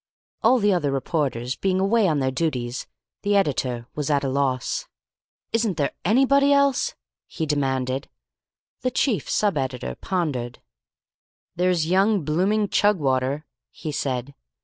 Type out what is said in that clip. All the other reporters being away on their duties, the editor was at a loss. "Isn't there anybody else?" he demanded. The chief sub editor pondered. "There is young blooming Chugwater," he said.